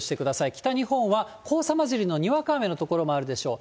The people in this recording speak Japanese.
北日本は黄砂交じりのにわか雨の所もあるでしょう。